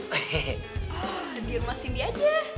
oh di rumah cindy aja